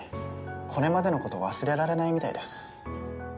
これまでのこと忘れられないみたいです